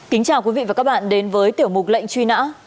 kính chào quý vị và các bạn đến với tiểu mục lệnh truy nã